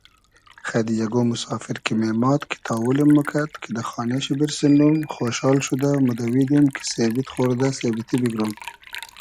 خئدی یئگۉ موسافیر کی مېماد کی تاولیم موکئد کی دۂ خانې شی بیرسینوم خۉشال شودۂ مودئویدوم کی سېبید خۉردۂ سېبتی بیگروم